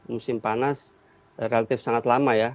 musim panas relatif sangat lama ya